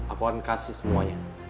aku akan kasih semuanya